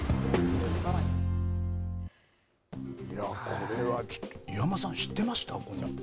これはちょっと、岩間さん、知ってました？